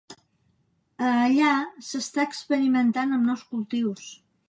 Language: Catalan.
A allà s'està experimentant amb nous cultius.